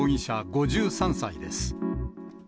５３歳です。